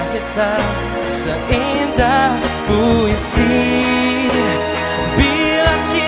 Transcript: telah bersabda tuk selamanya